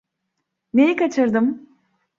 Neyi kaçırdım?